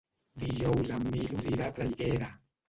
Dijous en Milos irà a Traiguera.